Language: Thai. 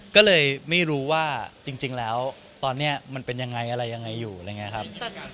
ก็เลยไม่รู้ว่าจริงแล้วตอนนี้มันเป็นยังไงอะไรยังไงอยู่อะไรอย่างนี้ครับ